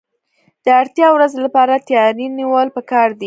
د اړتیا ورځې لپاره تیاری نیول پکار دي.